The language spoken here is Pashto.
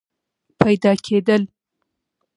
پیدا کېدل